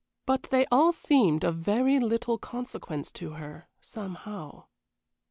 But they all seemed of very little consequence to her, somehow.